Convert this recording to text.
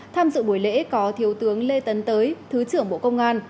tham dự buổi lễ có thiếu tướng lê tấn tới thứ trưởng bộ công an